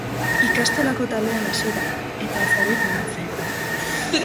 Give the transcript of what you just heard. Ikastolako taldean hasi da eta zaletu egin zaigu.